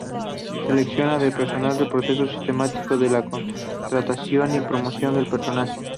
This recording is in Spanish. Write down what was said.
Selección de personal es el proceso sistemático de la contratación y promoción del personal.